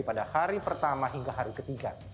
pada hari pertama hingga hari ketiga